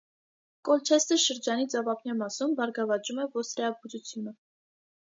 Կոլչեստր շրջանի ծովափնյա մասում բարգավաճում է ոստրեաբուծությունը։